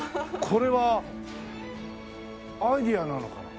これはアイデアなのかな？